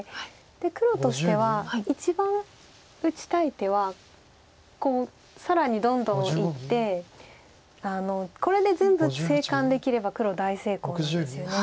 黒としては一番打ちたい手はこう更にどんどんいってこれで全部生還できれば黒大成功なんですよね。